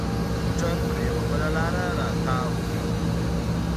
موټر پر یوه بله لاره را تاو کړ.